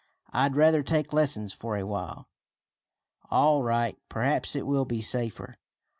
"I'd rather take lessons for a while." "All right. Perhaps it will be safer.